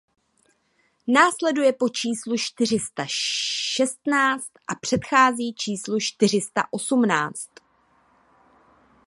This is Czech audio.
Následuje po číslu čtyři sta šestnáct a předchází číslu čtyři sta osmnáct.